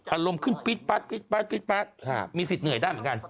อารมณ์ขึ้นปิ๊ดปั๊ดมีสิทธิ์เหนื่อยได้เหมือนกัน